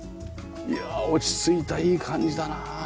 いやあ落ち着いたいい感じだな。